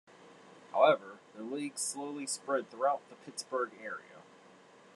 However, the league slowly spread throughout the Pittsburgh area.